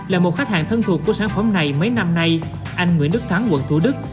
là một khách hàng thân thuộc của sản phẩm này mấy năm nay anh nguyễn đức thắng quận thủ đức